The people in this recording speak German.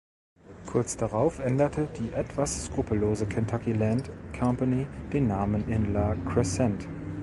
Kurz darauf änderte die etwas skrupellose Kentucky Land Company den Namen in La Crescent.